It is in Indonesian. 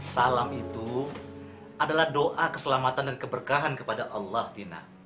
salam itu adalah doa keselamatan dan keberkahan kepada allah tina